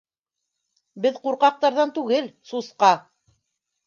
— Беҙ ҡурҡаҡтарҙан түгел, сусҡа